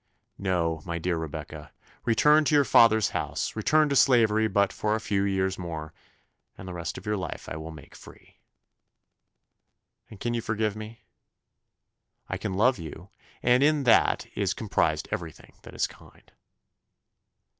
"No, my dear Rebecca, return to your father's house, return to slavery but for a few years more, and the rest of your life I will make free." "And can you forgive me?" "I can love you; and in that is comprised everything that is kind."